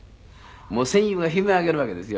もう戦友が悲鳴上げるわけですよね。